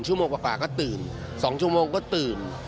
ชั่วโมงกว่าก็ตื่น๒ชั่วโมงก็ตื่น